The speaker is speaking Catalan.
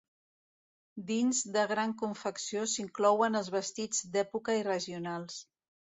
Dins de gran confecció s'inclouen els vestits d'època i regionals.